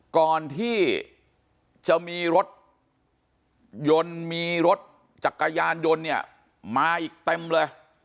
ก่อนที่จะมีรถยนต์มีรถจักรยานยนต์เนี่ยมาอีกเต็มเลย